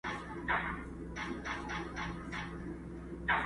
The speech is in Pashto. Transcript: د جهاني دغه غزل دي له نامه ښکلې ده!.